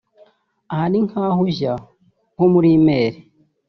Aha ni nk’aho ujya nko muri email